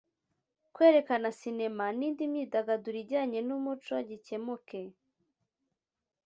kwerekana sinema n’indi myidagaduro ijyanye n’umuco gikemuke